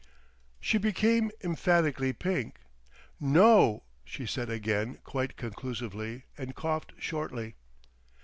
She became emphatically pink. "No," she said again quite conclusively, and coughed shortly.